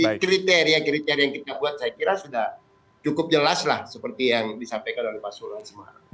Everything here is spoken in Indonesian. tapi kriteria kriteria yang kita buat saya kira sudah cukup jelas lah seperti yang disampaikan oleh pak sulan semarang